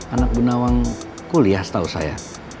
anak bu nawang kuliah setahu saya